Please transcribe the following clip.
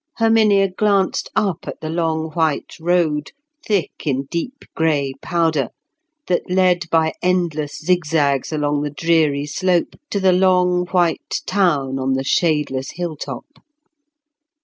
Herminia glanced up at the long white road, thick in deep grey powder, that led by endless zigzags along the dreary slope to the long white town on the shadeless hilltop.